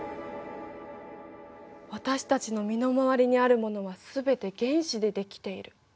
私たちの身の回りにあるものはすべて原子で出来ている。